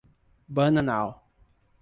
Bananal